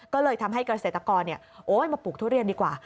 ก็เลยทำให้เกษตรกรมาปลูกทุเรียนดีกว่า